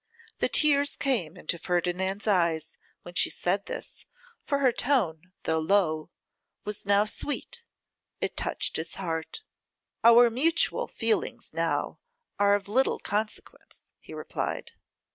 The tears came into Ferdinand's eyes when she said this, for her tone, though low, was now sweet. It touched his heart. 'Our mutual feelings now are of little consequence,' he replied.